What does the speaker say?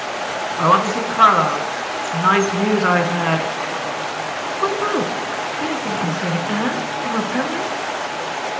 "I want to see Carlyle. Nice news I have had!" "What about? Anything concerning Anne, or her family?"